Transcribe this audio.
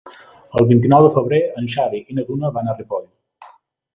El vint-i-nou de febrer en Xavi i na Duna van a Ripoll.